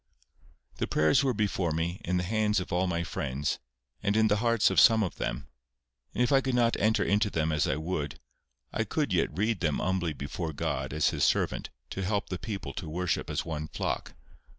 The prayers were before me, in the hands of all my friends, and in the hearts of some of them; and if I could not enter into them as I would, I could yet read them humbly before God as His servant to help the people to worship as one flock.